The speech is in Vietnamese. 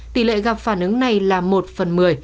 tỷ lệ gặp phản ứng này là một phần một mươi